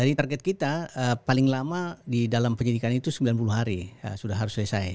jadi target kita paling lama di dalam penyidikan itu sembilan puluh hari sudah harus selesai